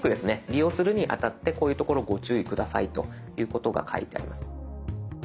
利用するにあたってこういうところご注意下さいということが書いてあります。